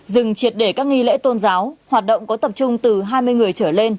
dừng triệt để các nghi lễ tôn giáo hoạt động có tập trung từ hai mươi người trở lên